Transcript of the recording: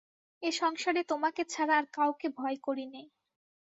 এ সংসারে তোমাকে ছাড়া আর কাউকে ভয় করি নে।